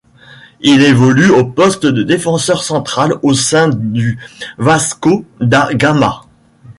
Il évolue au poste de défenseur central au sein du Vasco da Gama.